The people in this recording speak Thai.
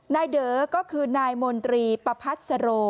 เด๋อก็คือนายมนตรีประพัทสโร